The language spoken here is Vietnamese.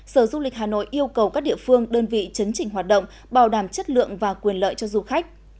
sở du lịch hà nội yêu cầu các địa phương đơn vị chấn chỉnh hoạt động bảo đảm chất lượng và quyền lợi cho du khách